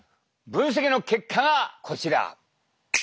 分析の結果がこちら。